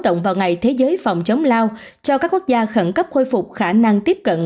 động vào ngày thế giới phòng chống lao cho các quốc gia khẩn cấp khôi phục khả năng tiếp cận